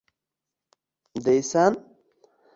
deysan?